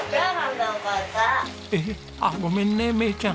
あっごめんね芽以ちゃん。